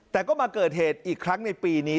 แต่ก็มาเกิดเหตุอีกครั้งในปีนี้